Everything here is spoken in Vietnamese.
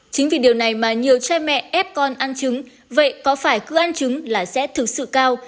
chính vì điều này mà nhiều trai mẹ ép con ăn chứng vậy có phải cứ ăn chứng là sẽ thực sự cao